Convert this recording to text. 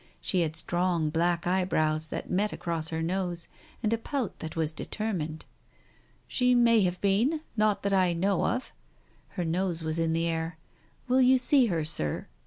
... She had strong black eyebrows that met across her nose, and a pout that was determined. "She may have been. Not that I know of ...." Her nose was in the air. " Will you see her, Sir ?